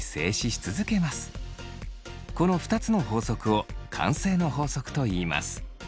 この２つの法則を慣性の法則といいます。